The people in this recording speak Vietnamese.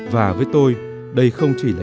và với tôi đây không chỉ là